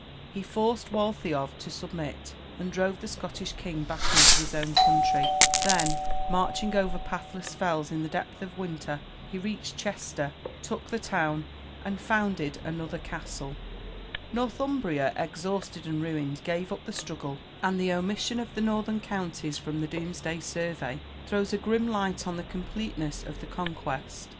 He forced Waltheof to submit, and drove the Scottish king back into his own country; then, marching over pathless fells in the depth of winter, he reached Chester, took the town, and founded another castle. [Illustration: William at Hastings.] Northumbria, exhausted and ruined, gave up the struggle, and the omission of the northern counties from the Domesday survey throws a grim light on the completeness of the Conquest.